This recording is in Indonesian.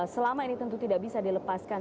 selama ini tentu tidak bisa dilepaskan